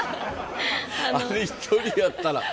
あれ１人やったら。